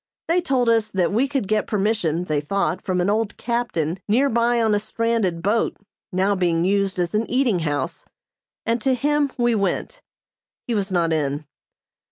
They told us that we could get permission, they thought, from an old captain near by on a stranded boat, now being used as an eating house, and to him we went. He was not in.